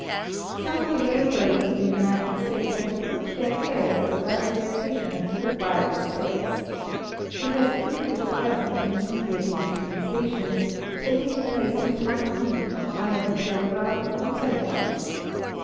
Some of the railroads in the United States have equipped their trails as well as their stations with wireless sets. It has proved its worth in communicating between stations, taking the place in time of need of either the telegraph or the telephone.